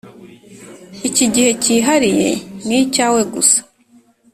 iki gihe cyihariye ni icyawe gusa,